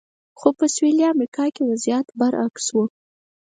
خو په سویلي امریکا کې وضعیت برعکس و.